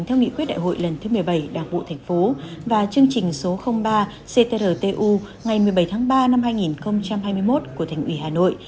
theo nghị quyết đại hội lần thứ một mươi bảy đảng bộ thành phố và chương trình số ba ctrtu ngày một mươi bảy tháng ba năm hai nghìn hai mươi một của thành ủy hà nội